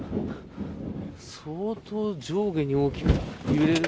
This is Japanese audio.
相当、上下に大きく揺れる。